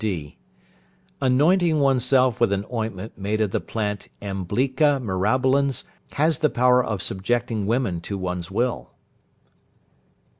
(d). Anointing oneself with an ointment made of the plant emblica myrabolans has the power of subjecting women to one's will.